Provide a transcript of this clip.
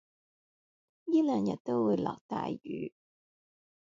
依兩日都會落大雨